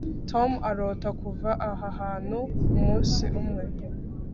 tom arota kuva aha hantu umunsi umwe